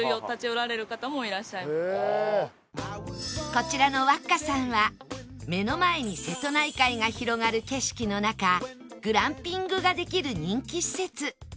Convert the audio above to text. こちらの ＷＡＫＫＡ さんは目の前に瀬戸内海が広がる景色の中グランピングができる人気施設